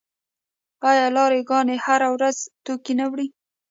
آیا لاری ګانې هره ورځ توکي نه وړي؟